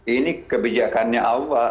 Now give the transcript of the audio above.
ini kebijakannya allah